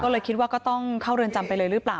ก็เลยคิดว่าก็ต้องเข้าเรือนจำไปเลยหรือเปล่า